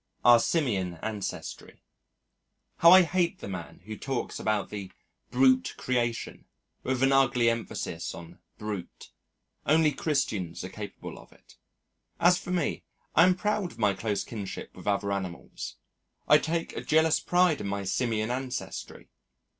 Our Simian Ancestry How I hate the man who talks about the "brute creation," with an ugly emphasis on brute. Only Christians are capable of it. As for me, I am proud of my close kinship with other animals. I take a jealous pride in my Simian ancestry.